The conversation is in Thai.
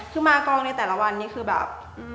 คือมากองในแต่ละวันนี้คือแบบ